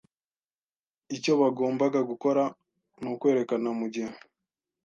Icyo bagombaga gukora nukwerekana mugihe.